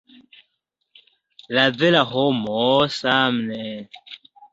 La vera homo same ne.